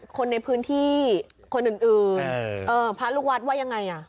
คนในพื้นที่คนอื่นพระลูกวัดว่ายังไงอ่ะ